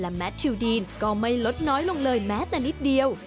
แมททิวดีนก็ไม่ลดน้อยลงเลยแม้แต่นิดเดียว